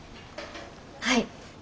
はい。